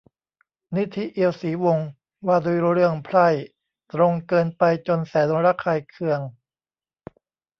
นิธิ เอียวศรีวงศ์ : ว่าด้วย เรื่อง "ไพร่" ตรงเกินไปจนแสนระคายเคือง